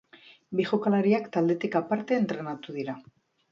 Bi jokalariak taldetik aparte entrenatu dira.